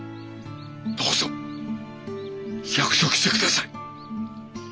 どうぞ約束して下さい！